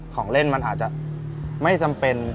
ของเล่นมันอาจจะไม่จำเป็น